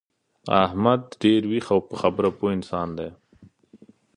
احمد ډېر ویښ او په خبره پوه انسان دی.